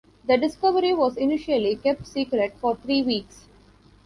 The discovery was initially kept secret for three weeks.